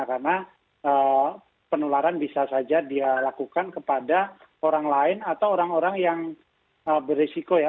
karena penularan bisa saja dilakukan kepada orang lain atau orang orang yang berisiko ya